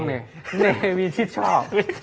เนมีที่ชอบ